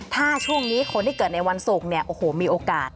ถ้าช่วงนี้คนที่เกิดในวันศุกร์เนี่ยโอ้โหมีโอกาส